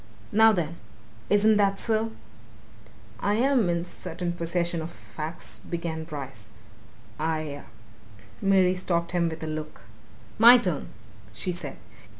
Now, then isn't that so?" "I am in possession of certain facts," began Bryce. "I " Mary stopped him with a look. "My turn!" she said.